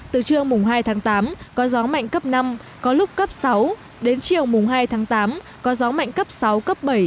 từ trưa mùng hai tháng tám có gió mạnh cấp năm có lúc cấp sáu đến chiều mùng hai tháng tám có gió mạnh cấp sáu cấp bảy